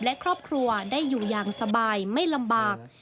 และครอบครัวได้อยู่อย่างสบายไม่ลำบาก